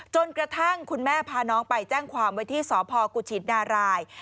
จนกระทั่งคุณแม่พาน้องไปแจ้งความไว้ที่สพกุชินาราย